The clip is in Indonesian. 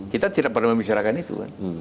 kita tidak pernah membicarakan itu